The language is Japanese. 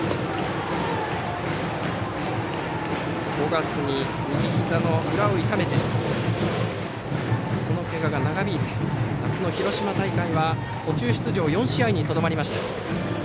５月に右ひざの裏を痛めてそのけがが長引いて夏の広島大会は途中出場４試合にとどまりました。